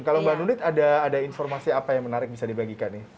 kalau mbak nunit ada informasi apa yang menarik bisa dibagikan nih